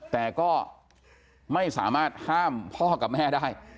แต่ก็ไม่สามารถห้ามพ่อกับแม่ได้